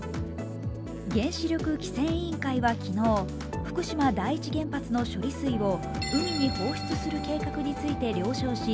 原子力規制委員会は昨日、福島第一原発の処理水を海に放出する計画について了承し